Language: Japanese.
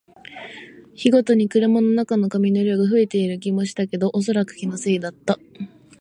日ごとに車の中の紙の量が増えている気もしたけど、おそらく気のせいだった